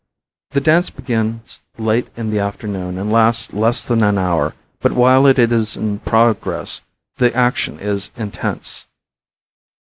The dance begins late in the afternoon and lasts less than one hour, but while it is in progress the action is intense.